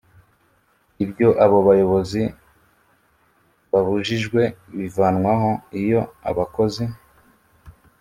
Ibyo abo bayobozi babujijwe bivanwaho iyo abakozi